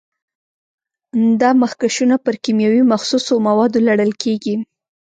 دا مخکشونه پر کیمیاوي مخصوصو موادو لړل کېږي.